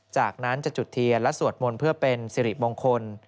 จากนั้นจะจุดเทียนและสวดมนต์เพื่อเป็นสิริมงคล